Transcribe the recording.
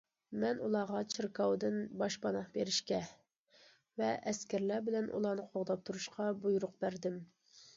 مەن ئۇلارغا چېركاۋدىن باشپاناھ بېرىشكە ۋە ئەسكەرلەر بىلەن ئۇلارنى قوغداپ تۇرۇشقا بۇيرۇق بەردىم.